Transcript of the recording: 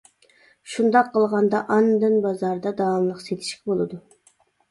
شۇنداق قىلغاندا، ئاندىن بازاردا داۋاملىق سېتىشقا بولىدۇ.